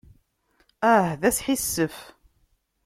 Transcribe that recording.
Ah, d asḥissef.